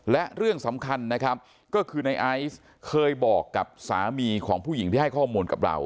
และเรื่องสำคัญนะครับก็คือในไอซ์เคยบอกกับสามีของผู้หญิงที่ให้ข้อมูลกับเรา